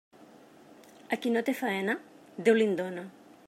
A qui no té faena, Déu li'n dóna.